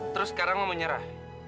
terus sekarang lo mau nyerah